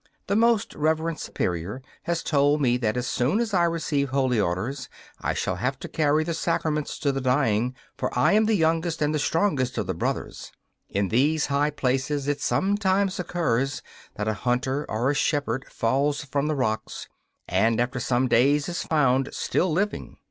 The most reverend Superior has told me that as soon as I receive holy orders I shall have to carry the sacraments to the dying, for I am the youngest and the strongest of the brothers. In these high places it sometimes occurs that a hunter or a shepherd falls from the rocks, and after some days is found, still living.